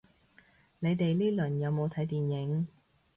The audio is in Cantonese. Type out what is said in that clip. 你哋呢輪有冇睇電影